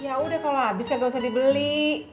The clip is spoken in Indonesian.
ya udah kalau habis gak usah dibeli